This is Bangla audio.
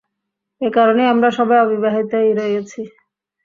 এ কারণেই আমরা সবাই অবিবাহিতই রয়ে আছি।